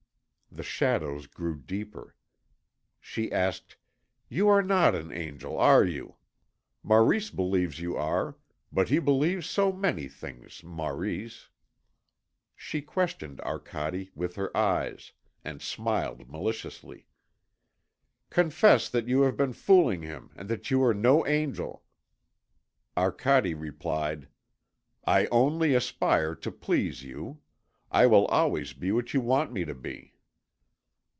The shadows grew deeper. She asked: "You are not an angel, are you? Maurice believes you are; but he believes so many things, Maurice." She questioned Arcade with her eyes and smiled maliciously. "Confess that you have been fooling him, and that you are no angel?" Arcade replied: "I only aspire to please you; I will always be what you want me to be."